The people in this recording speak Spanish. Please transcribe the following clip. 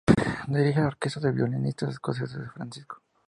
Dirige la orquesta de violinistas escoceses de San Francisco.